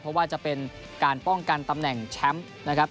เพราะว่าจะเป็นการป้องกันตำแหน่งแชมป์นะครับ